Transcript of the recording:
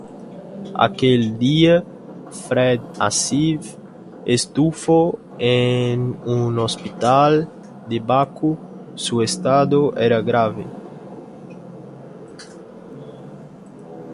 Aquel día "Fred Asif" estuvo en un hospital de Bakú, su estado era grave.